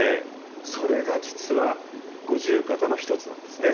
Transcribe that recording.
それが実は五十肩の一つなんですね。